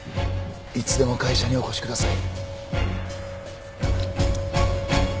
いつでも会社にお越しください。